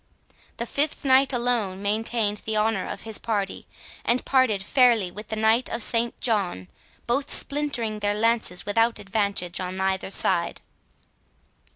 The fifth knight alone maintained the honour of his party, and parted fairly with the Knight of St John, both splintering their lances without advantage on either side.